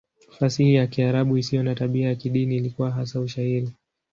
Fasihi ya Kiarabu isiyo na tabia ya kidini ilikuwa hasa Ushairi.